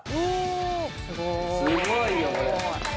すごいよこれ。